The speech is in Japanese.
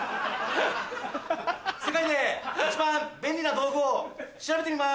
世界で一番便利な道具を調べてみます！